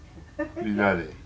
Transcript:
みんなで。